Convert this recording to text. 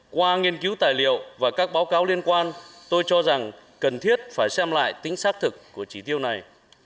qua nghiên cứu tài liệu và các báo cáo liên quan tôi cho rằng cần thiết phải xem lại tính xác thực của chỉ tiêu này